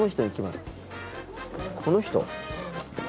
この人？